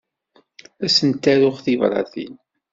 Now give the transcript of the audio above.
Ad sent-aruɣ tibratin.